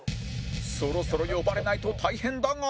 そろそろ呼ばれないと大変だが